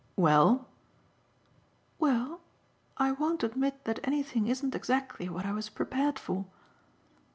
"Well?" "Well, I won't admit that anything isn't exactly what I was prepared for."